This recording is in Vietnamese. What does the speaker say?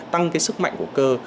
tăng cái sức mạnh của cơ